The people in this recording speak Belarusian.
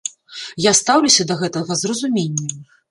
Я стаўлюся да гэтага з разуменнем.